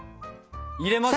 入れますよ。